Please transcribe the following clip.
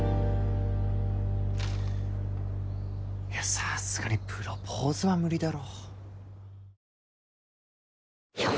さすがにプロポーズは無理だろ。